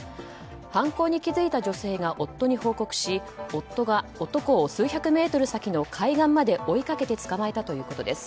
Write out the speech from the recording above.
犯行に気付いた女性が夫に報告し夫が男を数百メートル先の海岸まで追いかけて捕まえたということです。